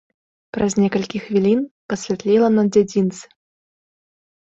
Праз некалькі хвілін пасвятлела на дзядзінцы.